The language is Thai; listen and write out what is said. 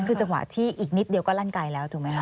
คือจังหวะที่อีกนิดก็ลั่นไกลแล้ว